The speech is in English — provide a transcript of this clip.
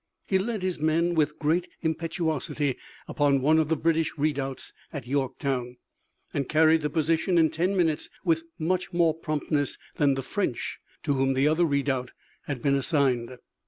He led his men with great impetuosity upon one of the British redoubts at Yorktown, and carried the position in ten minutes, with much more promptness than the French, to whom the other redoubt had been assigned.